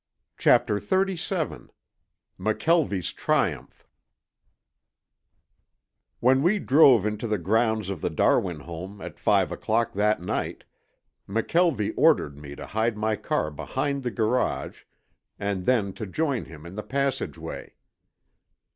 CHAPTER XXXVII M'KELVIE'S TRIUMPH When we drove into the grounds of the Darwin home at five o'clock that night, McKelvie ordered me to hide my car behind the garage and then to join him in the passageway.